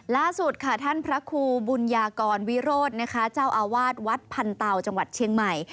ล่าสุดค่ะท่านพระครูบุญญากรวิโรธนะคะเจ้าอาวาสวัดพันเตาจังหวัดเชียงใหม่